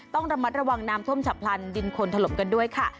ต้องระมัดระวังน้ำท่วมฉับพลันดินคนถล่มกันด้วยค่ะ